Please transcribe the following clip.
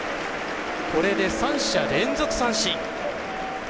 これで３者連続三振。